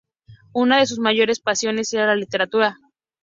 Una de sus mayores pasiones era la literatura.